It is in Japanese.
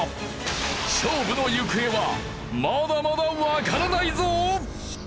勝負の行方はまだまだわからないぞ！